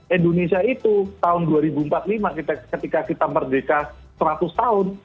indonesia itu tahun dua ribu empat puluh lima ketika kita merdeka seratus tahun